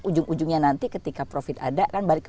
ujung ujung yang nanti ketika profit ada dan balik ke